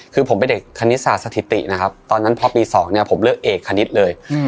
คือผมเป็นเด็กคณิตศาสตร์สถิตินะครับตอนนั้นพอปี๒เนี่ยผมเลือกเอกคณิตเลย